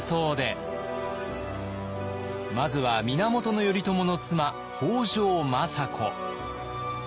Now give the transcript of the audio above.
まずは源頼朝の妻北条政子。